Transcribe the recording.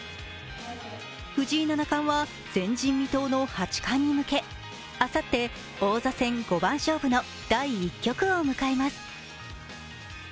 藤井七冠は前人未到の八冠に向け、あさって、王座戦五番勝負の第１局を迎えます。